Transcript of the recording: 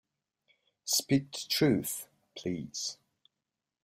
Speak the truth, please!